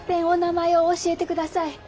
お名前う教えてください。